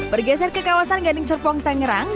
bergeser ke kawasan gading serpong tangerang